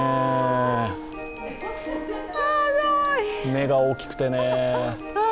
目が大きくてね。